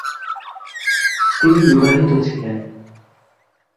তিনি বিবাহিত ছিলেন।